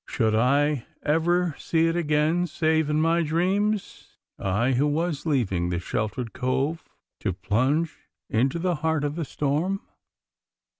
Should I ever see it again save in my dreams I, who was leaving this sheltered cove to plunge into the heart of the storm?